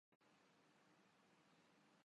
درست سوچ نہیں۔